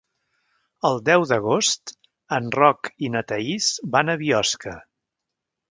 El deu d'agost en Roc i na Thaís van a Biosca.